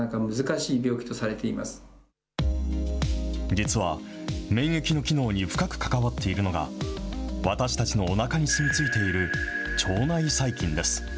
実は、免疫の機能に深く関わっているのが、私たちのおなかに住み着いている腸内細菌です。